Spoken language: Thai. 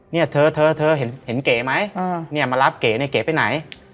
เนี่ยเธอเธอเห็นเก๋ไหมเนี่ยมารับเก๋เนี่ยเก๋ไปไหน